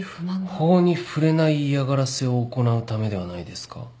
法に触れない嫌がらせを行うためではないですか？